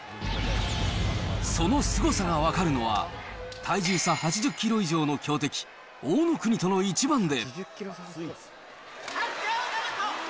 そのすごさが分かるのは、体重差８０キロ以上の強敵、大乃国との一番で。